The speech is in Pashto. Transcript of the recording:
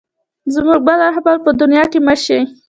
زموږ بل رهبر په دنیا کې مه شې.